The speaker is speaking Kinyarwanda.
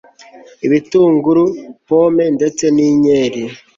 ibitunguru, pomme ndetse n'inkeri